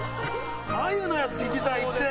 あゆのやつ聴きたいって！